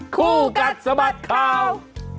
คู่กันสมัติข่าว